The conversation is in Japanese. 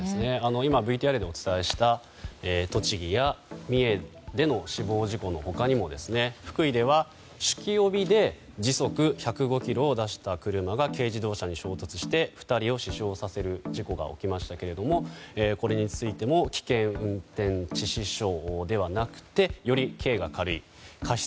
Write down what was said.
今、ＶＴＲでお伝えした栃木や三重での死亡事故の他にも、福井では酒気帯びで時速１０５キロを出した車が軽自動車に衝突して２人を死傷させる事故が起きましたけれどもこれについても危険運転致死傷ではなくてより刑が軽い過失